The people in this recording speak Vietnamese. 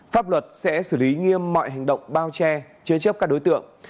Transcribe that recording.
pháp luật sẽ xử lý nghiêm mọi hành động bao che chế chấp các đối tượng